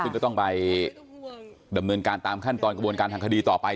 ซึ่งก็ต้องไปดำเนินการตามขั้นตอนกระบวนการทางคดีต่อไป